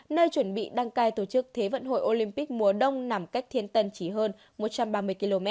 nơi chuẩn bị đăng cai tổ chức thế vận hội olympic mùa đông nằm cách thiên tân chỉ hơn một trăm ba mươi km